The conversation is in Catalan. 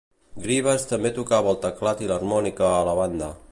Greaves també tocava el teclat i l'harmònica a la banda.